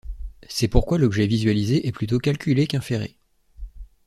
C'est pourquoi l'objet visualisé est plutôt calculé qu'inféré.